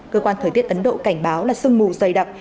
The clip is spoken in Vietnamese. cơ quan thời tiết ấn độ cảnh báo là sương mù dày đặc